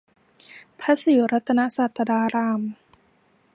พระศรีรัตนศาสดาราม